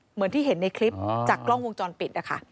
เหมือนที่เห็นในคลิปจากกล้องวงจรปิดนะคะ